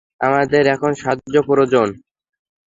আমাদের এখন সাহায্য প্রয়োজন।